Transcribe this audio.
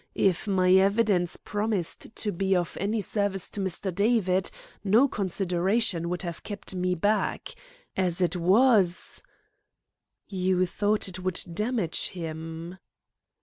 If my evidence promised to be of any service to Mr. David, no consideration would have kept me back. As it was " "You thought it would damage him?"